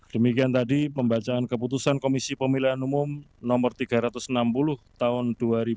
demikian tadi pembacaan keputusan komisi pemilihan umum no tiga ratus enam puluh tahun dua ribu dua puluh